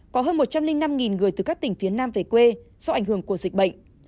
có hơn một trăm linh năm người từ các tỉnh phía nam về quê do ảnh hưởng của dịch bệnh